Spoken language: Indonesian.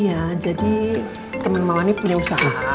iya jadi temen mama ini punya usaha